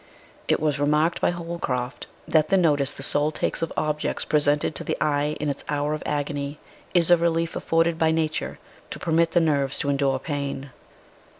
It was remarked by Holcroft that the notice the soul takes of objects presented to the eye in its hour of agony is a relief afforded by nature to permit the nerves to endure pain.